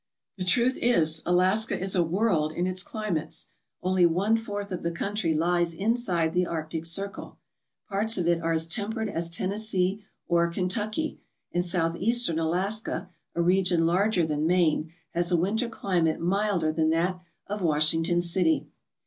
The truth is, Alaska is a world in its climates. Only one fourth of the country lies inside the Arctic Circle. Parts of it are as temperate as Tennessee or Kentucky, and South eastern Alaska, a region larger than Maine, has a winter climate milder than that of Washington city.